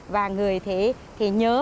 và người thì nhớ